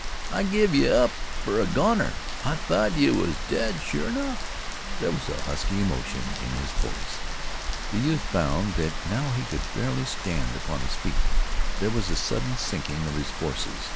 I give yeh up fer a goner. I thought yeh was dead sure enough." There was husky emotion in his voice. The youth found that now he could barely stand upon his feet. There was a sudden sinking of his forces.